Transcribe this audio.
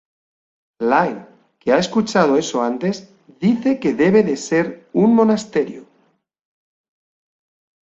Lynn, que ha escuchado eso antes, dice que debe de ser un monasterio.